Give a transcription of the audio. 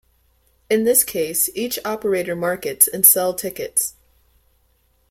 In this case each operator markets and sell tickets.